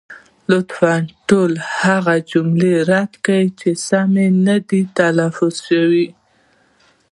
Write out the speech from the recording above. لطفا ټولې هغه جملې رد کړئ، چې سمې نه دي تلفظ شوې.